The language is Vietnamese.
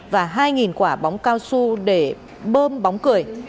và hai quả bóng cao su để bơm bóng cười